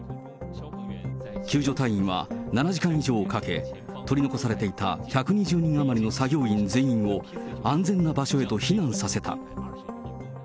救助隊員は７時間以上をかけ、取り残されていた１２０人余りの作業員全員を安全な場所へと避難させた。